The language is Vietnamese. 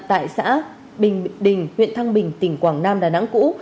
tại xã bình đình huyện thăng bình tỉnh quảng nam đà nẵng cũ